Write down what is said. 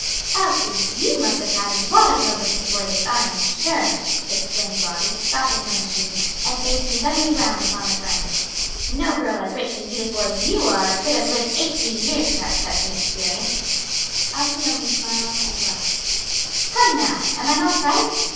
"Elsie, you must have had lots of lovers before this, I am sure!" exclaimed Lottie, stopping her machine, and facing suddenly round upon her friend. "No girl as rich and beautiful as you are could have lived eighteen years without such an experience." Elsie only smiled and blushed. "Come now, am I not right?"